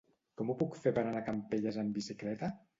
Com ho puc fer per anar a Campelles amb bicicleta?